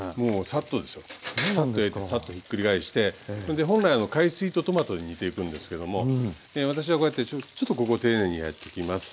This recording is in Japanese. さっと焼いてさっとひっくり返してそれで本来海水とトマトで煮ていくんですけども私はこうやってちょっとここ丁寧にやっていきます。